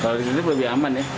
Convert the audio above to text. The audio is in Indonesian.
kalau di unit lebih aman ya